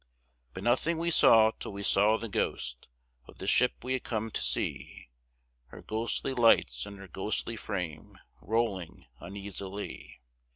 But nothing we saw till we saw the ghost Of the ship we had come to see, Her ghostly lights and her ghostly frame Rolling uneasily.